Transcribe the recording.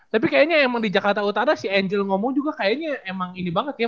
tapi kayaknya emang di jakarta utara si angel ngomong juga kayaknya emang ini banget ya